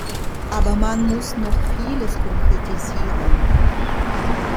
Aber man muss noch vieles konkretisieren.